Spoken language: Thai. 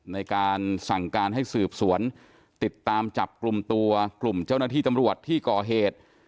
ในการสั่งการให้สืบสวนติดตามจับกลุ่มตัวกลุ่มเจ้าหน้าที่ตำรวจที่ก่อเหตุ